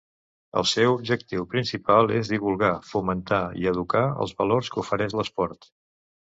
El seu objectiu principal és divulgar, fomentar, i educar els valors que ofereix l'esport.